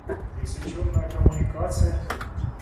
Пресеченная коммуникация…